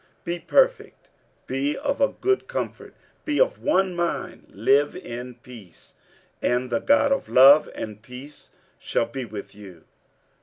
Be perfect, be of good comfort, be of one mind, live in peace; and the God of love and peace shall be with you.